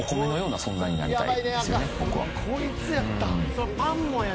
こいつやった。